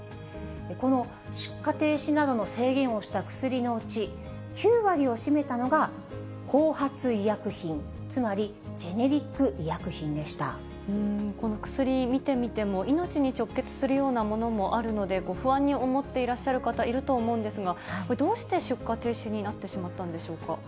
この出荷停止などの制限をした薬のうち、９割を占めたのが、後発医薬品、この薬、見てみても、命に直結するようなものもあるので、不安に思っていらっしゃる方いると思うんですが、これ、どうして出荷停止になってしまったんでしょうか。